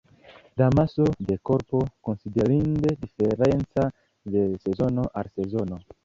La maso de korpo konsiderinde diferencas de sezono al sezono.